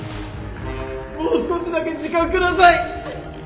もう少しだけ時間ください！